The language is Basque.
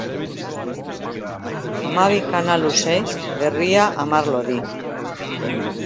Hamabi kana luze, gerria hamar lodi.